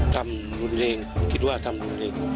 ทำรุนแรงคิดว่าทำรุนแรง